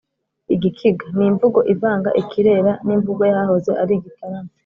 igikiga: ni imvugo ivanga ikirera n’imvugo y’ahahoze ari gitarama